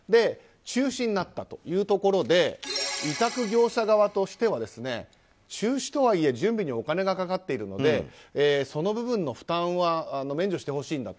中止になったというところで委託業者側としては中止とはいえ準備にお金がかかっているのでその部分の負担は免除してほしい。